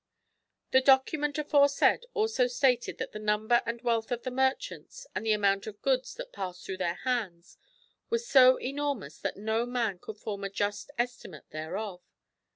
The document aforesaid also stated that the number and wealth of the merchants, and the amount of goods that passed through their hands was so enormous that no man could form a just estimate thereof.